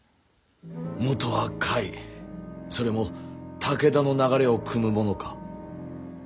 もとは甲斐それも武田の流れをくむ者か。